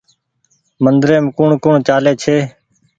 مندريم ڪوٚڻ ڪوٚڻ چآلي ڇي